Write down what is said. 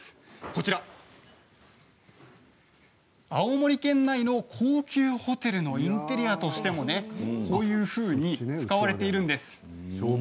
こちらの写真、青森県内の高級ホテルのインテリアとしてもこういうふうに使われているんです。